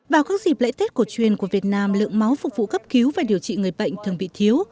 vào các dịp lễ tết cổ truyền của việt nam lượng máu phục vụ cấp cứu và điều trị người bệnh thường bị thiếu